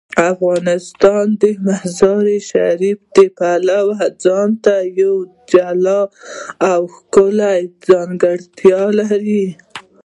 افغانستان د مزارشریف د پلوه ځانته یوه جلا او ښکلې ځانګړتیا لري.